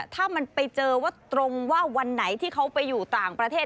ถ้ามันไปเจอว่าตรงว่าวันไหนที่เขาไปอยู่ต่างประเทศ